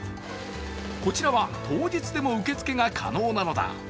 こちらは当日でも受け付けが可能なのだ。